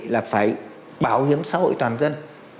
là phải bảo hiểm xã hội toàn dân